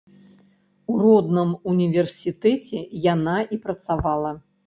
У родным універсітэце яна і працавала.